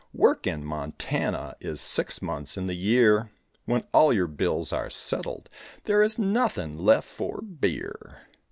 Work in Montana Is six months in the year; When all your bills are settled There is nothing left for beer.